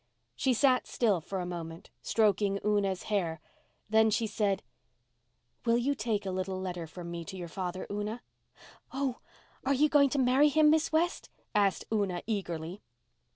She sat still for a moment, stroking Una's hair. Then she said, "Will you take a little letter from me to your father, Una?" "Oh, are you going to marry him, Miss West?" asked Una eagerly.